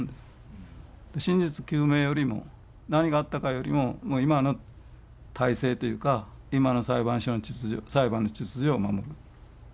真実究明よりも何があったかよりももう今の体制というか今の裁判所の秩序裁判の秩序を守るのが先だ